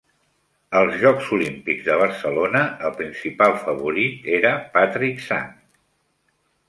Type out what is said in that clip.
Als Jocs Olímpics de Barcelona, el principal favorit era Patrick Sang.